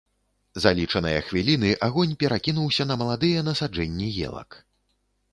За лічаныя хвіліны агонь перакінуўся на маладыя насаджэнні елак.